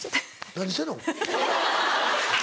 何してんの？